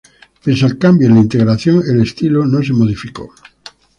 Pese al cambio en la integración el estilo no se modificó.